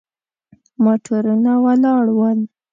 موټرونه ولاړ ول.